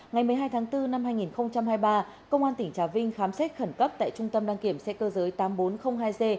ngày một mươi hai tháng bốn năm hai nghìn hai mươi ba công an tỉnh trà vinh khám xét khẩn cấp tại trung tâm đăng kiểm xe cơ giới tám nghìn bốn trăm linh hai g